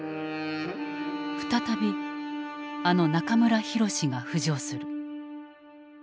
再びあの中村泰が浮上する。